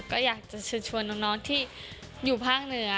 ก็อยากจะเชิญชวนน้องที่อยู่ภาคเหนือ